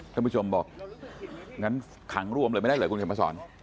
คุณผู้ชมบอกงั้นขังร่วมเลยไม่ได้เหรอคุณเฉพาะสอน